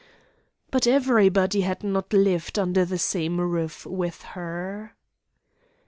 But everybody had not lived under the same roof with her.